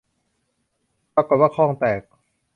ปรากฏว่าข้องแตก